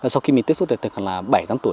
sau khi mình tiếp xúc từ khoảng bảy tám tuổi